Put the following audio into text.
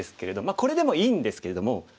これでもいいんですけれども。